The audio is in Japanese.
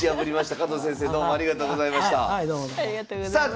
加藤先生どうもありがとうございました。